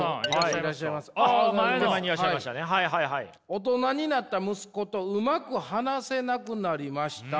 「大人になった息子とうまく話せなくなりました。